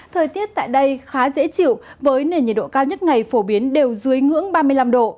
thời tiết tại đây khá dễ chịu với nền nhiệt độ cao nhất ngày phổ biến đều dưới ngưỡng ba mươi năm độ